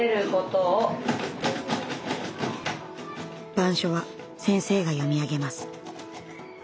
板書は先生が読み上げます。